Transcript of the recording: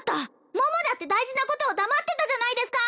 桃だって大事なことを黙ってたじゃないですか！